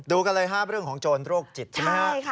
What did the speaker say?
กันเลยครับเรื่องของโจรโรคจิตใช่ไหมฮะ